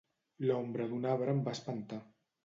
L'ombra d'un arbre em va espantar